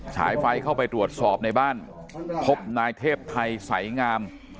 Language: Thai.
ฉายไฟเข้าไปตรวจสอบในบ้านพบนายเทพไทยสายงาม